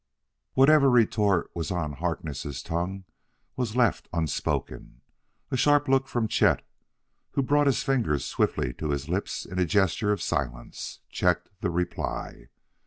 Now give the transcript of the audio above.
Whatever retort was on Harkness' tongue was left unspoken; a sharp look from Chet, who brought his fingers swiftly to his lips in a gesture of silence, checked the reply.